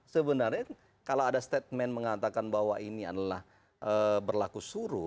sebenarnya kalau ada statement mengatakan bahwa ini adalah berlaku suruh